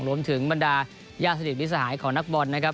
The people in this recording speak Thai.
รวมถึงบรรดายาสนิทวิสหายของนักบอลนะครับ